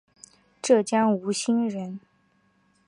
浙江吴兴人。